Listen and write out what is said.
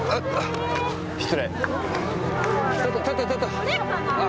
失礼。